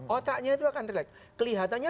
otaknya itu akan relax kelihatannya